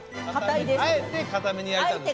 あえてかために焼いたんですか？